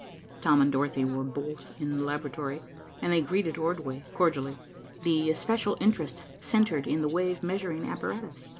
Tom and Dorothy were both in the laboratory, and they greeted Ordway cordially. The especial interest centred in the wave measuring apparatus.